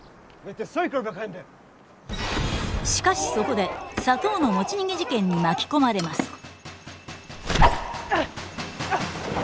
しかしそこで砂糖の持ち逃げ事件に巻き込まれます。